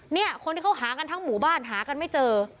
เนี่ยคนที่เขาหากันทั้งหมู่บ้านหากันไม่เจอ